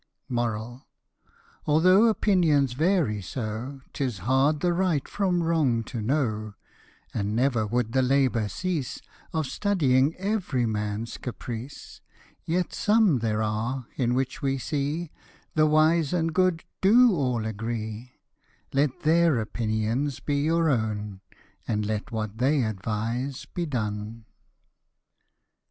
B 5 10 Although opinions vary so, 'Tis hard the right from wrong to know, (And never would the labour cease, Of studying every man's caprice ;) Yet same there are in which we see The wise and good do all agree : Let their opinions be your own, And let what they advise be done.